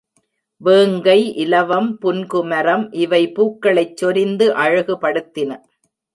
வேங்கை, இலவம், புன்குமரம் இவை பூக்களைச் சொரிந்து அழகுபடுத்தின.